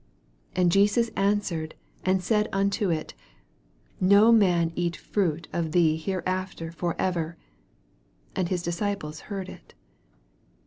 14 And Jesus answered and said unto it, No man eat fruit of thee here after for ever And his disciples heard it.